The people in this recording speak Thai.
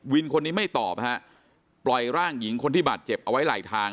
คนนี้ไม่ตอบฮะปล่อยร่างหญิงคนที่บาดเจ็บเอาไว้ไหลทาง